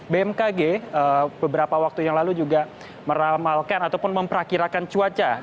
bmkg beberapa waktu yang lalu juga meramalkan ataupun memperakirakan cuaca di kawasan